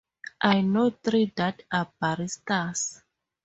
I know three that are baristas.